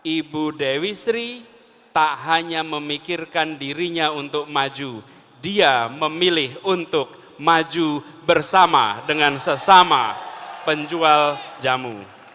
ibu dewi sri tak hanya memikirkan dirinya untuk maju dia memilih untuk maju bersama dengan sesama penjual jamu